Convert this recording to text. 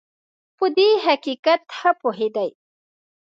په دې حقیقت ښه پوهېدی.